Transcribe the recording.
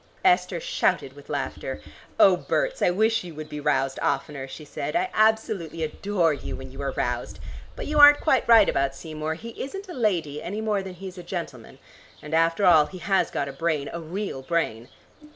Esther shouted with laughter. "Oh, Berts, I wish you would be roused oftener," she said; "I absolutely adore you when you are roused. But you aren't quite right about Seymour. He isn't a lady any more than he's a gentleman. And after all he has got a brain, a real brain."